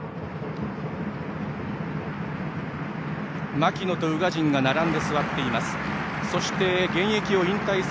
槙野と宇賀神が並んで座っています。